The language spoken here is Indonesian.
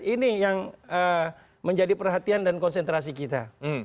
ini yang menjadi perhatian dan konsentrasi kita